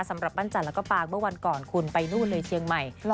สำหรับปั้นจันและก็ปางเมื่อวันก่อนคุณไปนู่นเลยเชียงใหม่